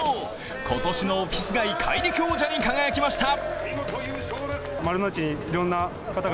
今年のオフィス街怪力王者に輝きました。